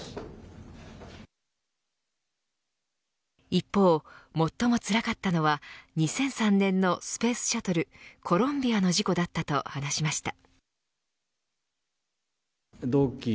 一方、最もつらかったのは２００３年のスペースシャトルコロンビアの事故だったと話しました。